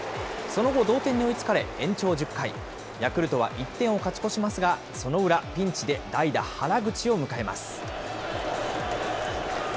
その後同点に追いつかれ、延長１０回、ヤクルトは１点を勝ち越しますが、その裏、ピンチで代打、原口を迎えます。